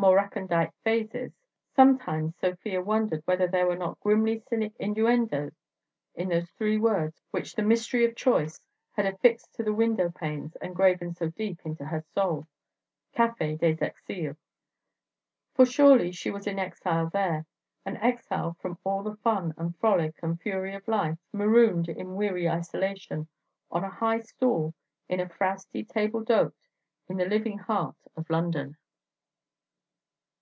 —more recondite phases—sometimes Sofia wondered whether there were not grimly cynic innuendo in those three words which the mystery of choice had affixed to the window panes and graven so deep into her soul. For surely she was in exile there, an exile from all the fun and frolic and, fury of life, marooned in weary isolation, on a high stool, in a frowsty table d'hôte, in the living heart of London.